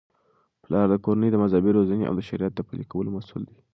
پلار د کورنی د مذهبي روزنې او د شریعت د پلي کولو مسؤل دی.